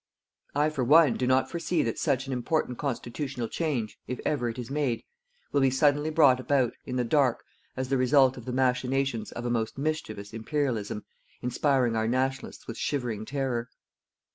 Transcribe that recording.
I, for one, do not foresee that such an important constitutional change, if ever it is made, will be suddenly brought about, in the dark, as the result of the machinations of a most mischievous Imperialism inspiring our "Nationalists" with shivering terror.